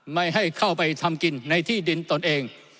ไม่ให้เข้าไปทำกินในที่ดินตนเอง